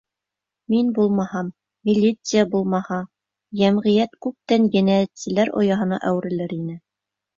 Мин булмаһам, милиция булмаһа, йәмғиәт күптән енәйәтселәр ояһына әүерелер ине.